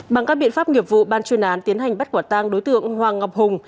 bằng các biện pháp nghiệp vụ ban chuyên án tiến hành bắt quả tang đối tượng hoàng ngọc hùng